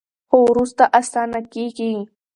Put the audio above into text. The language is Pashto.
خو وروسته اسانه کیږي.